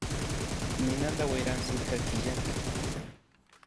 Ninanta wayran sitwa killapi